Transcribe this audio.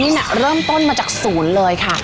เอมินเริ่มต้นมาจากศูนย์เลยค่ะ